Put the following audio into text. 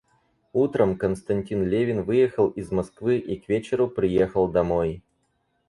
Утром Константин Левин выехал из Москвы и к вечеру приехал домой.